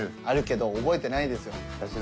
あるけど覚えてないですよ。